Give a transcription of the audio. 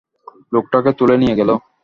লোকটাকে তুলে নিয়ে গেল।